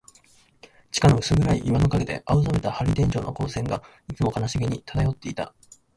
地下の薄暗い岩の影で、青ざめた玻璃天井の光線が、いつも悲しげに漂っていた。